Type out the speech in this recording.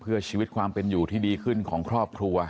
เพื่อชีวิตความเป็นอยู่ที่ดีขึ้นของครอบครัว